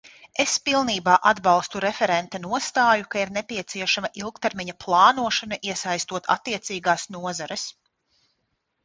Es pilnībā atbalstu referenta nostāju, ka ir nepieciešama ilgtermiņa plānošana, iesaistot attiecīgās nozares.